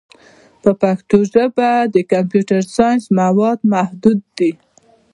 په پښتو ژبه د کمپیوټري ساینس مواد محدود دي.